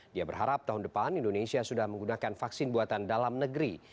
dia berharap tahun depan indonesia sudah menggunakan vaksin buatan dalam negeri